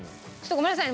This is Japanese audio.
ごめんなさい。